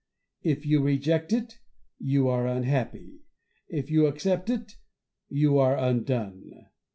If you reject it, you are unhappy ; if you accept it, you are undone.